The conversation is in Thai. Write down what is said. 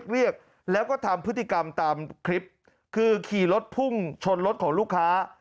เรียกแล้วก็ทำพฤติกรรมตามคลิปคือขี่รถพุ่งชนรถของลูกค้า